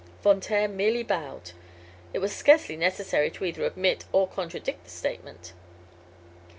Von Taer merely bowed. It was scarcely necessary to either admit or contradict the statement.